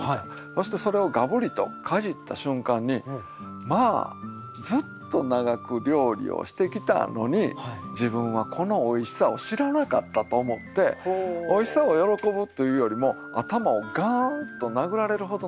そしてそれをガブリとかじった瞬間にまあずっと長く料理をしてきたのに自分はこのおいしさを知らなかったと思っておいしさを喜ぶというよりも頭をガーンと殴られるほどのショックを受けたんですね。